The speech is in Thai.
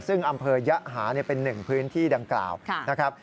ซึ่งอำเภอยะหาเป็นหนึ่งพื้นที่ดังกล่าวนะครับ